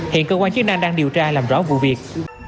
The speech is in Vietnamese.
hiện cơ quan chức năng đang điều tra làm rõ vụ việc